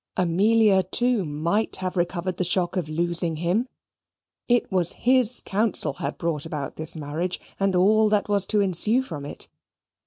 Amelia, too, MIGHT have recovered the shock of losing him. It was his counsel had brought about this marriage, and all that was to ensue from it.